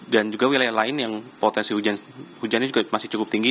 dan juga wilayah lain yang potensi hujan ini juga masih cukup tinggi